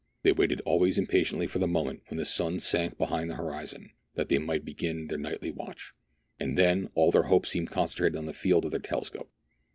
They waited always impatiently for the moment when the sun sank behind the horizon, that they might begin their nightly watch, and then all their hopes seemed concentrated on the field of their telescope.